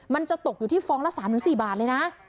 มันจะตกอยู่ที่ฟองละ๓๔บาทเลยนะ